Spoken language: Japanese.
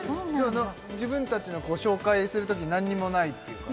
自分達の紹介するときに何にもないっていうか？